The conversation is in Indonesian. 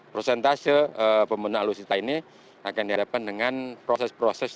prosentase pembangunan alucita ini akan dihadapan dengan proses proses